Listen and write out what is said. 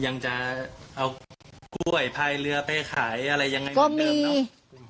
ยังจะเอากล้วยพายเรือไปขายอะไรยังไงเหมือนเดิมเนอะ